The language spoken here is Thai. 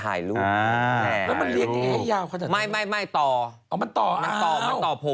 อ่านะคะ